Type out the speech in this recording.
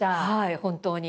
本当に。